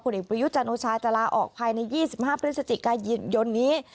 ผู้เด็กประยุทธ์จันทร์โอชายจะลาออกภายใน๒๕พฤศจิกายนยนนี้